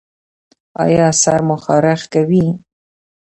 ایا سر مو خارښ کوي؟